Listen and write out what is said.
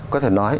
có thể nói